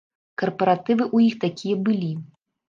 Карпаратывы ў іх такія былі.